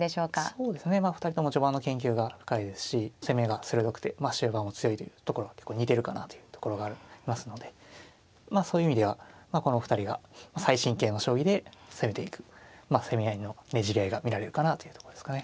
そうですねまあ２人とも序盤の研究が深いですし攻めが鋭くて終盤も強いというところが結構似ているかなというところがありますのでまあそういう意味ではこの２人が最新型の将棋で攻めていく攻め合いのねじり合いが見られるかなというとこですかね。